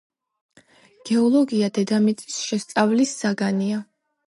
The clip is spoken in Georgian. გეოლოგია დედამიწის შესწავლის საგანია.